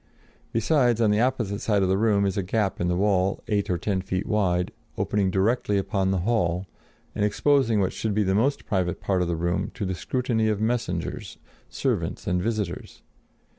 Besides, on the opposite side of the room is a gap in the wall eight or ten feet wide, opening directly upon the hall, and exposing what should be the most private part of the room to the scrutiny of messengers, servants and visitors.